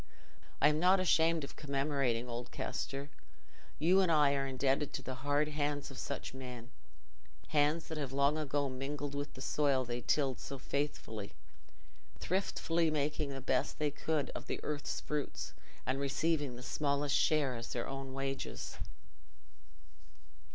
I am not ashamed of commemorating old Kester. You and I are indebted to the hard hands of such men—hands that have long ago mingled with the soil they tilled so faithfully, thriftily making the best they could of the earth's fruits, and receiving the smallest share as their own wages.